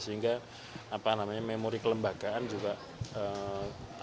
sehingga memori kelembagaan juga